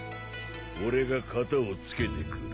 俺が片をつけてくる。